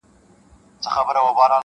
• سياسي نقد ته بيايي..